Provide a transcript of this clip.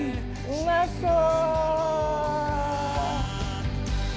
うまそう！